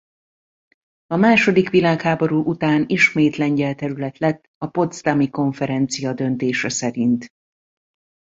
A második világháború után ismét lengyel terület lett a potsdami konferencia döntése szerint.